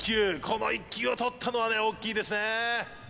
この１球をとったのは大きいですね